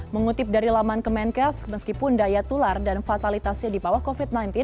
mengutip dari laman kemenkes meskipun daya tular dan fatalitasnya di bawah covid sembilan belas